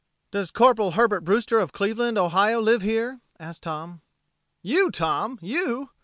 "Does Corporal Herbert Brewster of Cleveland, Ohio, live here?" asked Tom. "You, Tom! you!"